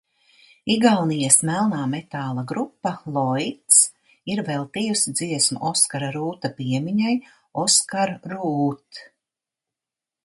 "Igaunijas melnā metāla grupa "Loits" ir veltījusi dziesmu Oskara Rūta piemiņai: "Oskar Ruut"."